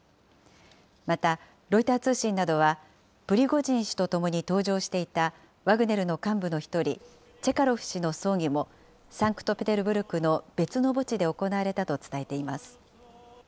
また、ロイター通信などは、プリゴジン氏と共に搭乗していたワグネルの幹部の１人、チェカロフ氏の葬儀もサンクトペテルブルクの別の墓地で行われたと伝えています。